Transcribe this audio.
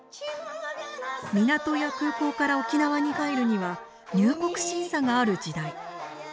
港や空港から沖縄に入るには入国審査がある時代。